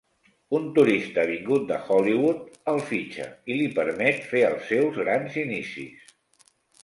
Un turista vingut de Hollywood el fitxa i li permet fer els seus grans inicis.